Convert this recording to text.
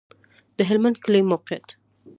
د هلمند کلی موقعیت